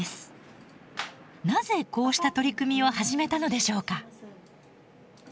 なぜこうした取り組みを始めたのでしょうか？